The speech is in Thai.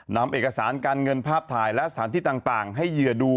นำเอกสารการเงินภาพถ่ายและสถานที่ต่างให้เหยื่อดู